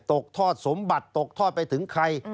ตกทอดสมบัติตกทอดไปถึงใคร